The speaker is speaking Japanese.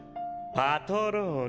パトロール！